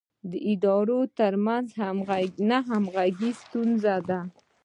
د ادارو ترمنځ نه همغږي ستونزه ده.